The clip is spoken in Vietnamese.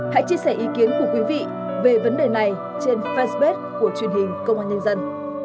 hãy chia sẻ ý kiến của quý vị về vấn đề này trên fanpage của truyền hình công an nhân dân